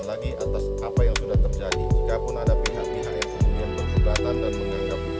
lagi atas apa yang sudah terjadi jika pun ada pihak pihak yang berkembang dan menganggap itu